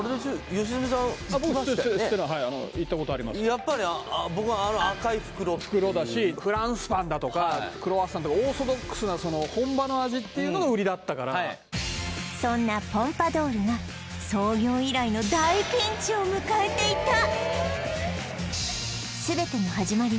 やっぱり僕はあの赤い袋っていう袋だしフランスパンだとかクロワッサンだとかオーソドックスな本場の味っていうのが売りだったからそんなポンパドウルがを迎えていた！